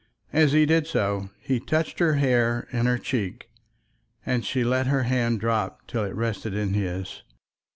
As he did so he touched her hair and her cheek, and she let her hand drop till it rested in his.